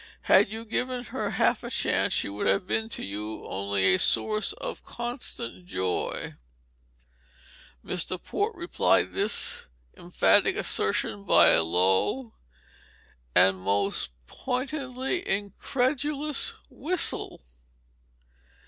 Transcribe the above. Had you given her half a chance she would have been to you only a source of constant joy." Mr. Port replied to this emphatic assertion by a low, but most pointedly incredulous, whistle.